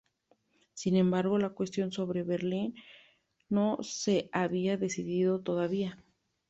Sin embargo, la cuestión sobre Berlín no se había decidido todavía.